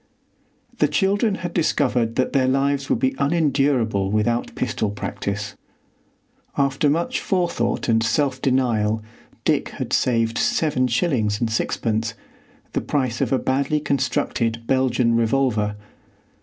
The children had discovered that their lives would be unendurable without pistol practice. After much forethought and self denial, Dick had saved seven shillings and sixpence, the price of a badly constructed Belgian revolver.